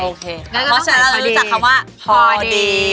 เพราะฉะนั้นเราจะรู้จักคำว่าพอดี